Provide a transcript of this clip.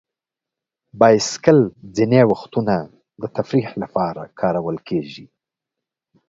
بایسکل ځینې وختونه د تفریح لپاره کارول کېږي.